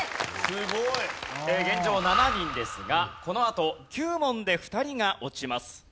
すごい！現状７人ですがこのあと９問で２人が落ちます。